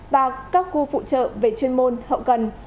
và các khu phụ trợ về chuyên môn hậu cần